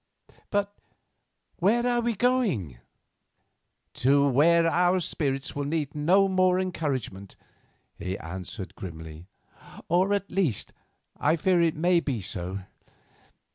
But where are we going?" "To where our spirits will need no more encouragement," he answered grimly; "or, at least, I fear it may be so.